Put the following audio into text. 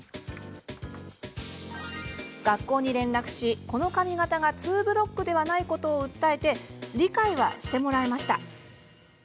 学校に連絡し、この髪形がツーブロックでないことを訴えて理解はしてもらえました。